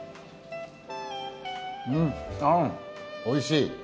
おいしい。